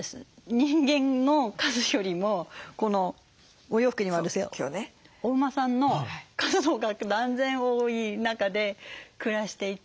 人間の数よりもこのお洋服にもあるんですけどお馬さんの数のほうが断然多い中で暮らしていて。